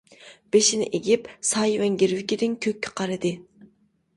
بېشىنى ئېگىپ سايىۋەن گىرۋىكىدىن كۆككە قارىدى.